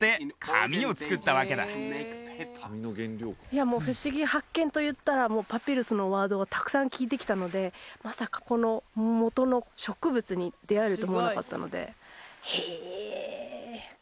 いやもう「ふしぎ発見！」といったらもうパピルスのワードをたくさん聞いてきたのでまさかこのもとの植物に出会えると思わなかったのでへえ！